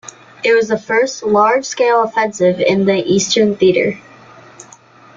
It was the first large-scale offensive in the Eastern Theater.